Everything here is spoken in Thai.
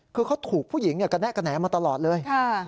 คือเขาถูกผู้หญิงกระแนะกระแหนมาตลอดเลย